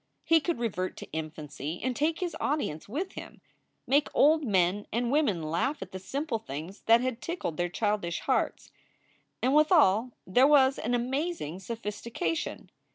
He could revert to infancy and take his audience with him, make old men and women laugh at the simple things that had tickled their childish hearts. And withal there was an amazing sophistication.